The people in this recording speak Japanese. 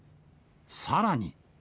さらに。